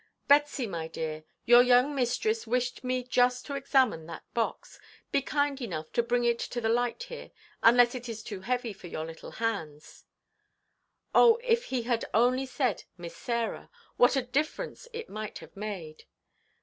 "Betsy, my dear, your young mistress wished me just to examine that box. Be kind enough to bring it to the light here, unless it is too heavy for your little hands." Oh, if he had only said "Miss Sarah," what a difference it might have made!